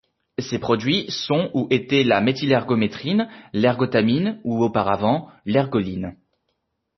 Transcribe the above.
Ces produits sont ou étaient la méthylergométrine, l’ergotamine ou, auparavant, l’ergoline.